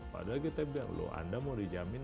padahal kita bilang loh anda mau dijamin